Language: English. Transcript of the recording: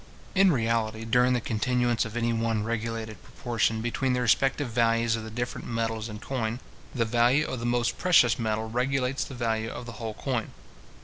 In reality, during the continuance of any one regulated proportion between the respective values of the different metals in coin, the value of the most precious metal regulates the value of the whole coin.